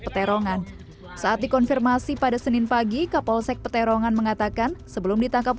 peterongan saat dikonfirmasi pada senin pagi kapolsek peterongan mengatakan sebelum ditangkap